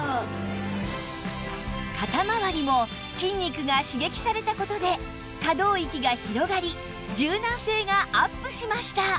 肩まわりも筋肉が刺激された事で可動域が広がり柔軟性がアップしました